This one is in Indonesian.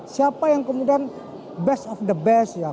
siapa yang kemudian best of the best ya